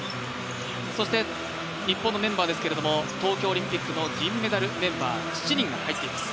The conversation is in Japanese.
そして日本のメンバーですけど東京オリンピックの銀メダルメンバー７人が入っています。